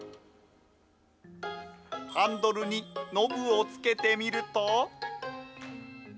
ハンドルにノブを付けてみると。